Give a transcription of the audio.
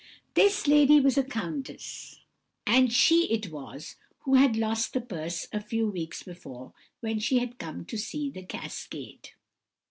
This lady was a countess, and she it was who had lost the purse a few weeks before, when she had come to see the cascade.